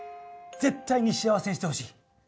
ぜっ対に幸せにしてほしい。